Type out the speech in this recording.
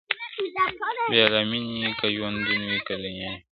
بې له ميني که ژوندون وي که دنیا وي,